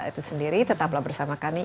itu sendiri tetaplah bersama kami